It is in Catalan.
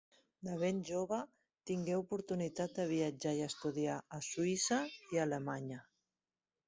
De ben jove tingué oportunitat de viatjar i estudiar a Suïssa i Alemanya.